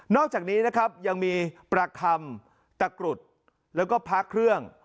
อกจากนี้นะครับยังมีประคำตะกรุดแล้วก็พระเครื่อง